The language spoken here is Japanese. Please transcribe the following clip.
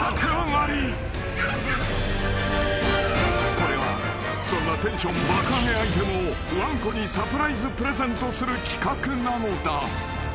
［これはそんなテンション爆上げアイテムをわんこにサプライズプレゼントする企画なのだ］